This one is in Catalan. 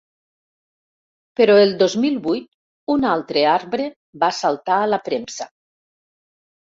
Però el dos mil vuit un altre arbre va saltar a la premsa.